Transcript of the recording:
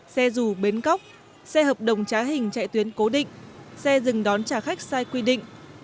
xe dù bến cóc xe hợp đồng trá hình chạy tuyến cố định xe dừng đón trả khách sai quy định